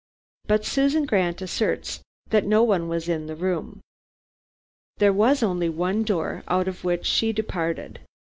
But Susan Grant asserts that no one was in the room. There was only one door, out of which she departed.